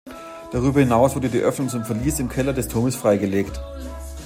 Darüber hinaus wurde die Öffnung zum Verlies im Keller des Turmes freigelegt.